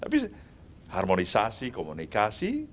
tapi harmonisasi komunikasi